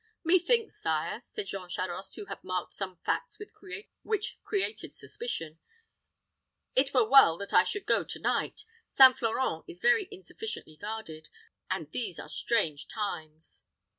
"Methinks, sire," said Jean Charost, who had marked some facts which created suspicion, "it were well that I should go to night. St. Florent is very insufficiently guarded, and these are strange times."